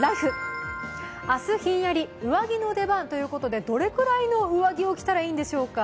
明日ひんやり、上着の出番ということでどれぐらいの上着を着たらいいんでしょうか。